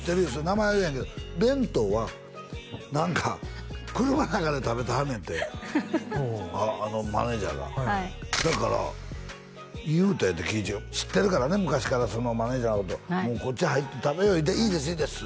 名前は言えへんけど弁当は何か車の中で食べてはんねんってあのマネージャーがはいだから言うたいうて貴一が知ってるからね昔からそのマネージャーのこと「もうこっち入って食べよう」「いいですいいです」